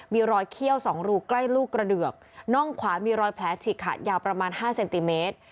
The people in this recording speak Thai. มีรอยเขี้ยว๒รูใกล้ลูกกระเดือกน่องขวามีรอยแผลฉีกขาดยาวประมาณ๕เซนติเมตร